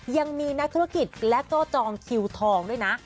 ยังมีนักธุรกิจและก็จองคิวทองด้วยนะ